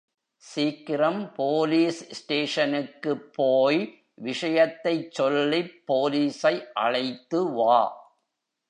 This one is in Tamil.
சீக்கிரம் போலீஸ் ஸ்டேஷனுக்குப் போய் விஷயத்தைச் சொல்லிப் போலீசை அழைத்துவா?